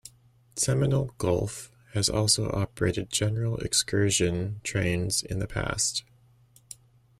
Seminole Gulf has also operated general excursion trains in the past.